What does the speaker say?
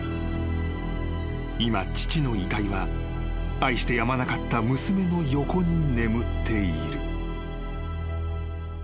［今父の遺体は愛してやまなかった娘の横に眠っている］